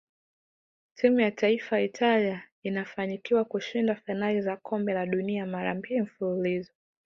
Timu ya taifa Italia ilifanikiwa kushinda fainali za kombe la dunia mara mbili mfululizo